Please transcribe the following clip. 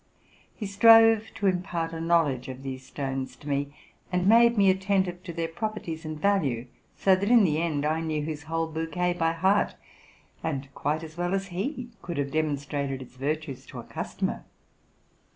He strove to impart a knowledge of these stones to me, and made me attentive to their properties and value; so that in the end I knew his whole bouquet by heart, and quite as well as he could have demonstrated its virtues to a customer.